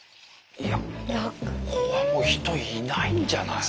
いやここはもう人いないんじゃない？